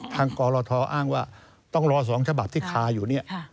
ทางกลอ้างว่าต้องรอผ่าน๒สภาพที่ค้าอยู่